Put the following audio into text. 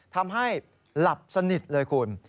ทำให้หลับสนิทเลยคุณ